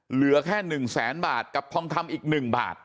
เหลือแค่หนึ่งแสนบาทกับทองทำอีกหนึ่งบาท